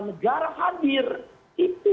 negara hadir itu